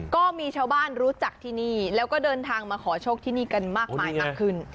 ก็มีชาวบ้านรู้จักที่นี่แล้วก็เดินทางมาขอโชคที่นี่กันมากมายมากขึ้น